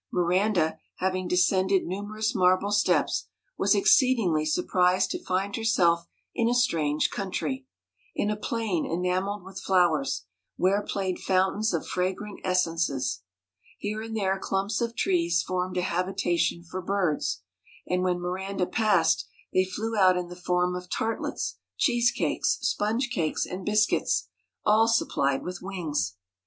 Miranda, haying descended numerous marble steps, was exceedingly surprised to find herself in a strange country, in a plain enamelled with flowers, where played fountains of fragrant essences. Here and there clumps of trees formed a habitation for birds; and when Miranda passed, they flew out in the form of tartlets, cheese cakes, sponge cakes, and biscuits, all supplied with wings.